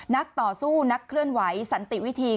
ต่อสู้นักเคลื่อนไหวสันติวิธี